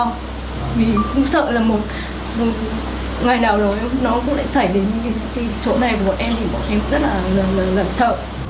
vì cũng sợ là một ngày nào đó nó cũng sẽ xảy đến chỗ này bọn em thì bọn em rất là sợ